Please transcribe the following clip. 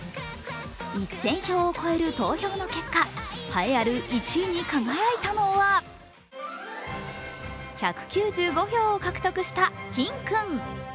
１０００票を超える投票の結果、栄えある１位に輝いたのは１９５票を獲得したキン君。